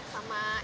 sama es kelapa